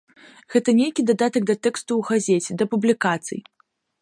Гэта нейкі дадатак да тэксту ў газеце, да публікацый.